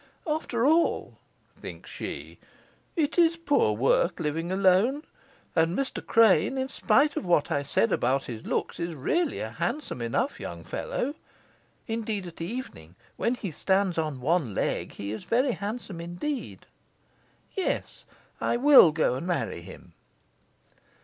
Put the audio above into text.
"After all," thinks she, "it is poor work living alone. And Mr. Crane, in spite of what I said about his looks, is really a handsome enough young fellow. Indeed at evening, when he stands on one leg, he is very handsome indeed. Yes, I will go and marry him."